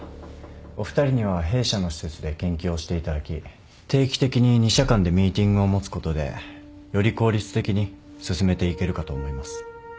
お二人には弊社の施設で研究をしていただき定期的に２社間でミーティングを持つことでより効率的に進めていけるかと思います。